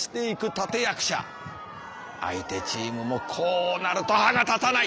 相手チームもこうなると歯が立たない。